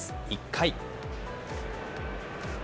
１回。